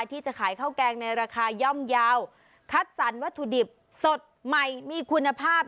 ที่จะขายข้าวแกงในราคาย่อมเยาว์คัดสรรวัตถุดิบสดใหม่มีคุณภาพ